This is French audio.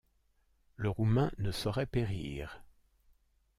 le Roumain ne saurait périr!